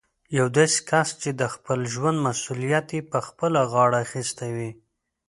يو داسې کس چې د خپل ژوند مسوليت يې په خپله غاړه اخيستی وي.